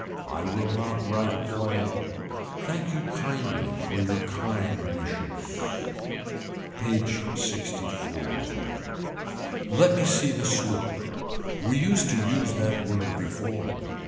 I will not write a play. Thank you kindly for your kind wishes. PAGE LXIV. Let me see the sloop. We used to use that word before.